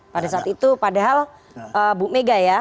pada saat itu padahal bu mega ya